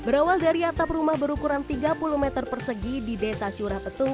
berawal dari atap rumah berukuran tiga puluh meter persegi di desa curah petung